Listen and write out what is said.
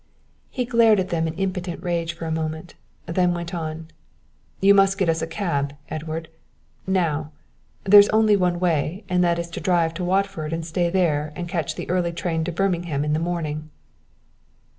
He glared at them in impotent rage for a moment, then went on. "You must get us a cab, Edward now. There's only one way, and that is to drive into Watford and stay there and catch the early train to Birmingham in the morning."